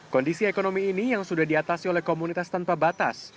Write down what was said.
kondisi ekonomi ini yang sudah diatasi oleh komunitas tanpa batas